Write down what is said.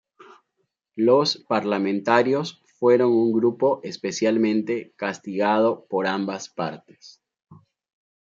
Los parlamentarios fueron un grupo especialmente castigado por ambas partes.